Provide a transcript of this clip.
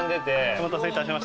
お待たせいたしました。